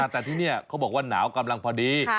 แต่ที่นี่เขาบอกว่าหนาวกำลังพอดี